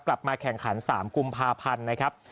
กลับมาแข่งขัน๓กุมภาพันธ์นะครับ